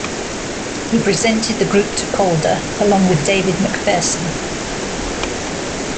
He presented the group to Calder along with David McPherson.